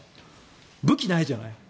武器ないじゃない。